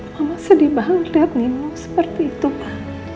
mama sedih banget liat nino seperti itu pa